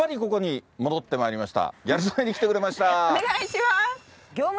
お願いします。